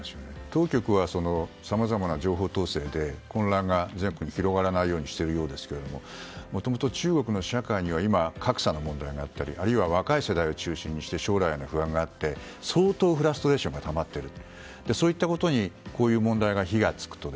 当局はさまざまな情報統制で混乱が広がらないようにしているようですがもともと中国の社会には格差の問題があったりあるいは若い世代を中心にして将来への不安があって相当フラストレーションがたまっている。